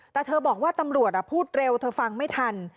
แต่เธอบอกว่าตำรวจพูดเร็วเธอฟังไม่ทัน